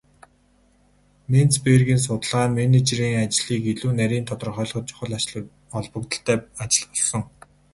Менцбергийн судалгаа нь менежерийн ажлыг илүү нарийн тодорхойлоход чухал ач холбогдолтой ажил болсон.